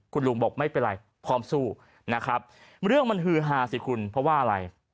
คุณลุงบอกไม่เป็นไรพร้อมสู้นะครับเรื่องมันฮือฮาสิคุณเพราะว่าอะไร